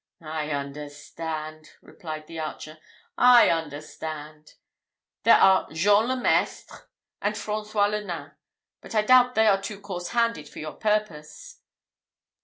"I understand!" replied the archer "I understand! There are Jean le Mestre, and François le Nain; but I doubt they are too coarse handed for your purpose.